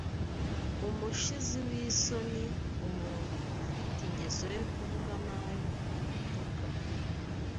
Umushizi w’isoni: Umuntu ufite ingeso yo kuvuga nabi/gutukana